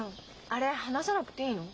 あれ話さなくていいの？